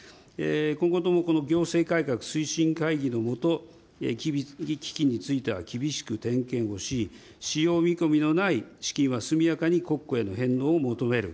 今後ともこの行政改革推進会議の下、基金については厳しく点検し、使用見込みのない資金は速やかに国庫への返納を求める。